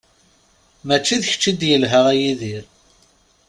Mačči d kečč i d-yelha a Yidir.